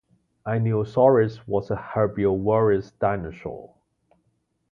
"Einiosaurus" was a herbivorous dinosaur.